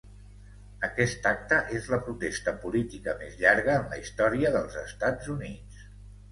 Aquest acte és la protesta política més llarga en la història dels Estats Units.